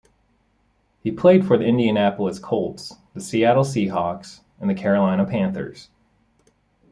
He played for the Indianapolis Colts, the Seattle Seahawks, and the Carolina Panthers.